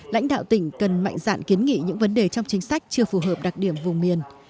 lãnh đạo tỉnh cần mạnh dạn kiến nghị những vấn đề trong chính sách chưa phù hợp đặc điểm vùng miền